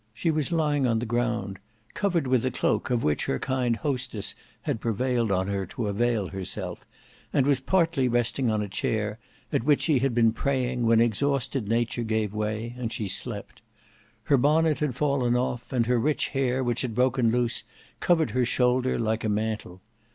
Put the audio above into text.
She was lying on the ground, covered with a cloak of which her kind hostess had prevailed on her to avail herself, and was partly resting on a chair, at which she had been praying when exhausted nature gave way and she slept. Her bonnet had fallen off, and her rich hair, which had broken loose, covered her shoulder like a mantle.